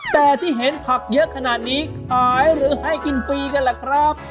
แต่ที่เห็นผักเยอะขนาดนี้ขายหรือให้กินฟรีกันล่ะครับ